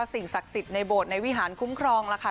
สิ่งสักสิทธิ์ในบทในวิหารคุ้มครองแล้วค่ะ